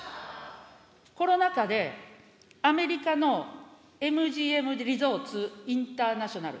コロナ禍で、アメリカのＭＧＭリゾーツ・インターナショナル。